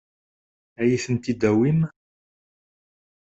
Ad iyi-tent-id-tawim?